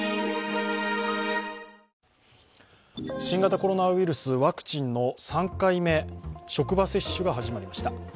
新型コロナウイルスワクチンの３回目職場接種が始まりました。